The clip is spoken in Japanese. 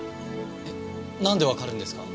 えっなんでわかるんですか？